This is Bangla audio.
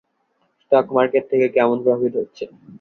স্টক মার্কেট থেকে কেমন প্রফিট হচ্ছে?